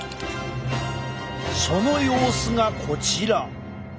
その様子がこちら。